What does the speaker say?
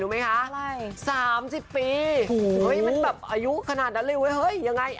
ลูกสงสัย